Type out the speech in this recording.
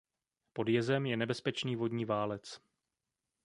Pod jezem je nebezpečný vodní válec.